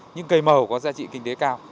những cây màu có giá trị kinh tế cao